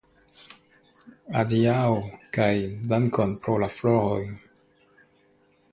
Adiaŭ, kaj dankon pro la floroj.